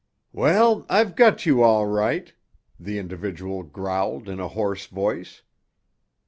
"Well, I've got you, all right!" the individual growled in a hoarse voice.